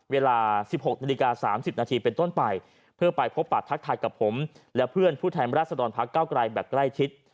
เวลา๑๖นาฬิกา๓๐นาทีเป็นต้นไปเพื่อไปพบปัดทักทายกับผมและเพื่อนผู้แทนราชดรพักเก้าไกลแบบใกล้ชิด